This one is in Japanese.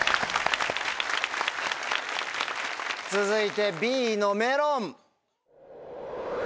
続いてＢのメロン。